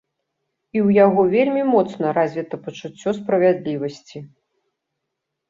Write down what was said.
І ў яго вельмі моцна развіта пачуццё справядлівасці.